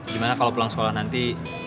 gimana kalau pulang sekolah nanti